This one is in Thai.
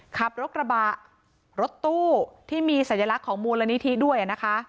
ขับรถกระบะรถตู้ที่มีสัญลักษณ์ของมูลนิธิด้วยนะคะ